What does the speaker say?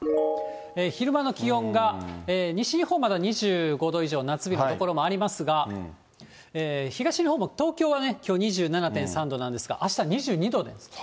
昼間の気温が西日本はまだ２５度以上、夏日の所もありますが、東日本も東京はきょう２７．３度なんですが、あした２２度です。